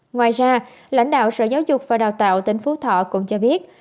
ngoài ra lãnh đạo sở giáo dục và đào tạo tỉnh phú thọ cũng cho biết